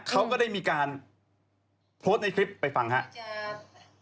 เขาก็ได้มีการโพสต์ในคลิปไปฟังครับ